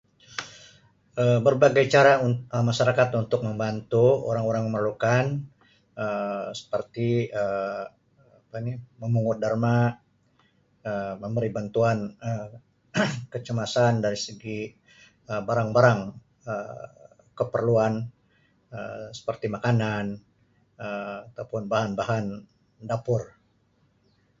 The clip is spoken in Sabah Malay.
Um Berbagai cara Um masyarakat untuk membantu orang-orang memerlukan Um seperti Um apa ni memungut derma Um memberi bantuan Um kecemasan dari segi Um barang-barang Um keperluan Um seperti makanan[Um] atau pun bahan-bahan dapur.